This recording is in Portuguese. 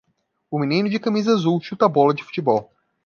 O menino de camisa azul chuta a bola de futebol.